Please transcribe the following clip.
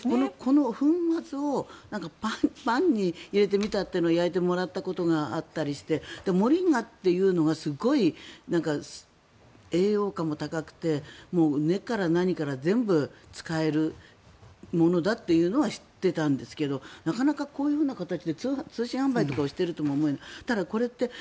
この粉末をパンに入れてみたのを焼いてもらったことがあったりしてモリンガっていうのがすごい栄養価も高くて根から何から全部使えるものだというのは知っていたんですけどなかなかこういう形で通信販売とかをしているとも思わなくて。